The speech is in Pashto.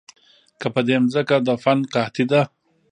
کله په دې زمکه د فن قحطي ده